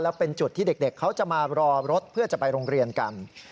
เป็นจุดที่เด็กเขาจะมารอรถเพื่อจะไปโรงเรียนกัน